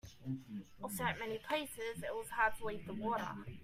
Also, at many places it was hard to leave the water.